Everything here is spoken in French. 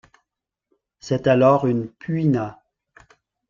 C’est alors une puina.